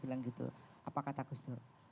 apa kata gus dur